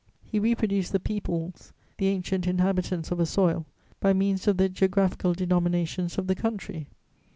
He reproduced the peoples, the ancient inhabitants of a soil, by means of the geographical denominations of the country.